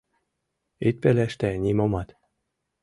Ит пелеште нимомат!»